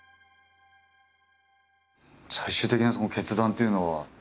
最終的なその決断っていうのは？